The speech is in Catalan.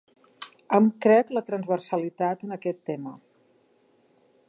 Em crec la transversalitat en aquest tema.